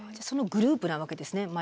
そのグループなわけですね？